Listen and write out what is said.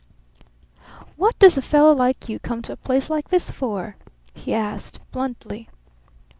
"What does a fellow like you come to a place like this for?" he asked bluntly.